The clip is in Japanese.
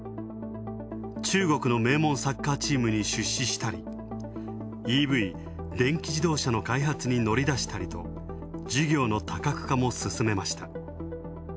中国の名門サッカーチームに出資したり、ＥＶ＝電気自動車の開発に乗り出したりと、事業の多角化も進めました。